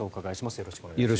よろしくお願いします。